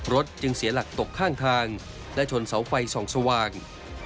จึงเสียหลักตกข้างทางและชนเสาไฟส่องสว่าง